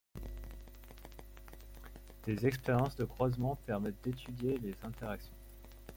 Des expériences de croisement permettent d'étudier les interactions.